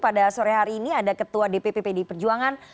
pada sore hari ini ada ketua dpp pdi perjuangan